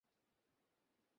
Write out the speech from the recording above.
আরে, নোরাহ।